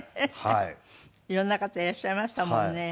色んな方いらっしゃいましたもんね。